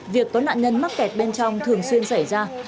việc có nạn nhân mắc kẹt bên trong thường xuyên xảy ra